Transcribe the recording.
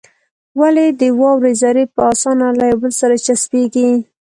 ولې د واورې ذرې په اسانه له يو بل سره چسپېږي؟